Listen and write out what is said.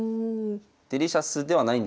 デリシャスではないんですけど。